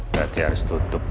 berarti harus tutup